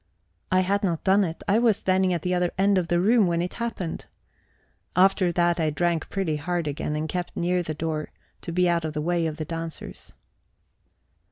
I had not done it: I was standing at the other end of the room when it happened. After that I drank pretty hard again, and kept near the door, to be out of the way of the dancers.